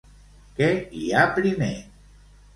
Què hi ha primer?